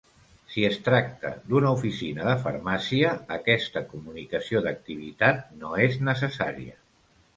Si es tracta d'una oficina de farmàcia, aquesta comunicació d'activitat no és necessària.